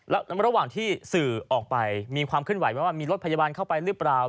แล้วระหว่างที่สื่อออกไปมีความเคลื่อนไหวไหมว่ามีรถพยาบาลเข้าไปหรือเปล่า